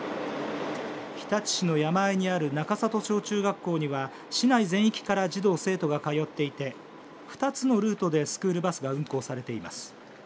日立市の山あいにある中里小中学校には市内全域から児童、生徒が通っていて２つのルートでスクールバスが運行されています。